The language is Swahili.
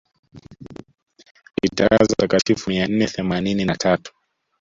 alitangaza watakatifu mia nne themanini na tatu